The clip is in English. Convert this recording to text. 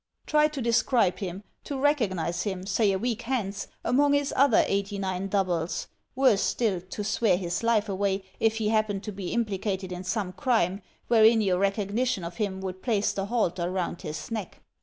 "Try to describe him, to recognize him, say a week hence, among his other eighty nine doubles; worse still, to swear his life away, if he happened to be implicated in some crime, wherein your recogni tion of him would place the halter round his neck.